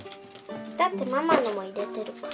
だってママのも入れてるから。